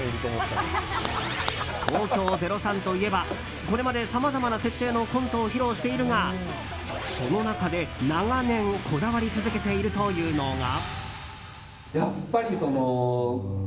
東京０３といえばこれまでさまざまな設定のコントを披露しているが、その中で長年こだわり続けているというのが。